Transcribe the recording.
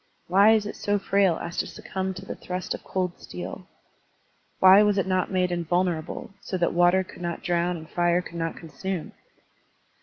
Why is it so frail as to succtmib to the thrust of cold steel? Why was it not made invulnerable, so that water could not drown and fire could not consume?